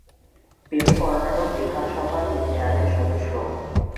তিনি কর্ণাটক বিধানসভার তিন মেয়াদের সদস্য।